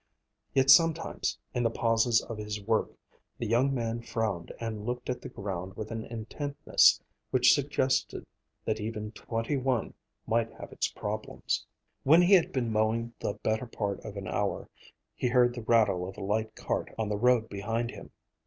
Yet sometimes, in the pauses of his work, the young man frowned and looked at the ground with an intentness which suggested that even twenty one might have its problems. When he had been mowing the better part of an hour, he heard the rattle of a light cart on the road behind him.